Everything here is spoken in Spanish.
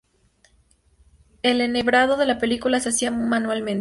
El enhebrado de la película se hacía manualmente.